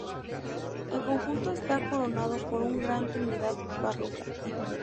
El conjunto está coronado por un gran Trinidad barroca.